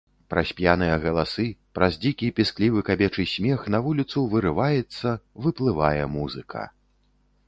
Праз п'яныя галасы, праз дзікі, пісклівы кабечы смех на вуліцу вырываецца, выплывае музыка.